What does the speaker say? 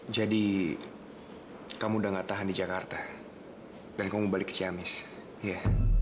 jadi kamu udah gak tahan di jakarta dan kamu balik ke ciamis iya